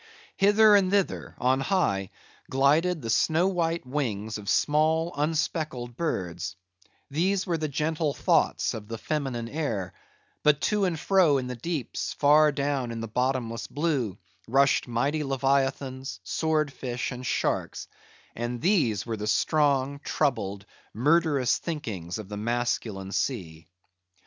Hither, and thither, on high, glided the snow white wings of small, unspeckled birds; these were the gentle thoughts of the feminine air; but to and fro in the deeps, far down in the bottomless blue, rushed mighty leviathans, sword fish, and sharks; and these were the strong, troubled, murderous thinkings of the masculine sea.